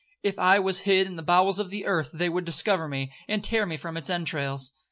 If I was hid in the bowels of the earth, they would discover me, and tear me from its entrails.